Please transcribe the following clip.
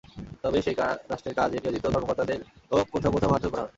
তবে সেই রাষ্ট্রের কাজে নিয়োজিত কর্মকর্তাদেরও কোথাও কোথাও মারধর করা হয়।